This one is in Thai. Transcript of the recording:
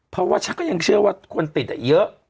เพราะว่าฉันก็ยังเชื่อว่าคนติดเยอะ